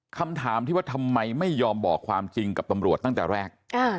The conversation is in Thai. คำถามที่ว่าทำไมไม่ยอมบอกความจริงกับตำรวจตั้งแต่แรก